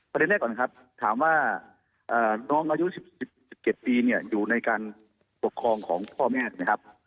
แรกก่อนครับถามว่าน้องอายุ๑๗ปีเนี่ยอยู่ในการปกครองของพ่อแม่ถูกไหมครับ